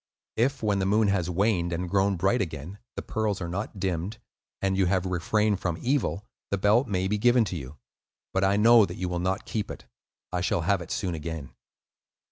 If when the moon has waned and grown bright again, the pearls are not dimmed and you have refrained from evil, the belt may be given to you. But I know that you will not keep it; I shall have it soon again."